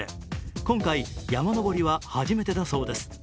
今回、山登りは初めてだそうです。